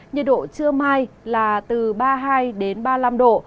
nhiệt độ trưa mai là từ ba mươi hai đến ba mươi năm độ